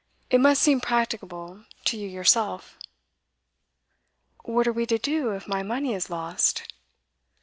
It must seem practicable to you yourself.' 'What are we to do if my money is lost?